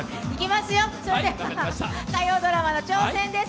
火曜ドラマの挑戦です。